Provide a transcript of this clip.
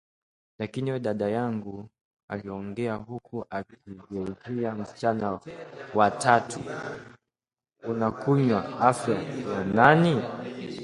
"Lakini wewe, dada yangu," aliongeza huku akimgeukia msichana wa tatu, 'unakunywa afya ya nani?'